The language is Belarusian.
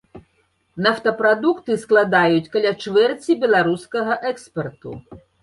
Нафтапрадукты складаюць каля чвэрці беларускага экспарту.